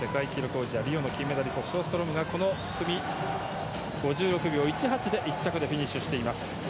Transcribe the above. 世界記録保持者リオの金メダリストショーストロムがこの組５６秒１８で１着でフィニッシュしています。